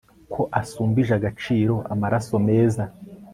ko asumbije agaciro amasaro meza